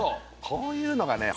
こういうのがね